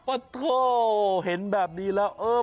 โอ้โหเห็นแบบนี้แล้ว